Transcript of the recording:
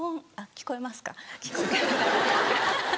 聞こえます。